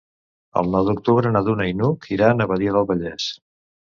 El nou d'octubre na Duna i n'Hug iran a Badia del Vallès.